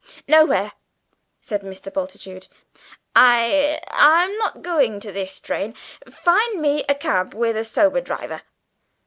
"Nowhere," said Mr. Bultitude. "I I'm not going by this train; find me a cab with a sober driver."